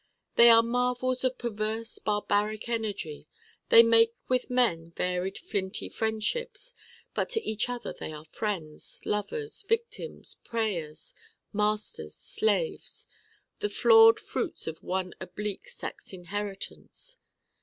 They are marvels of perverse barbaric energy. They make with men varied flinty friendships, but to each other they are friends, lovers, victims, preyers, masters, slaves: the flawed fruits of one oblique sex inherence.